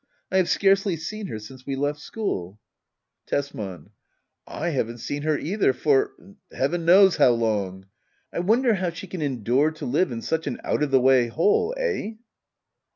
I have scarcely seen her since we left school Tesman. I haven't seen her either for — heaven knows how long. I wonder how she can endure to live in such an out of the way hole — eh